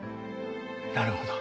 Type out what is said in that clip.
なるほど。